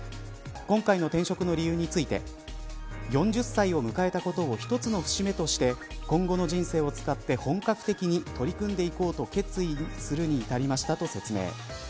今回の転職の理由について４０歳を迎えたことを一つの節目として今後の人生を使って本格的に取り組んでいこうと決意するに至りました、と説明。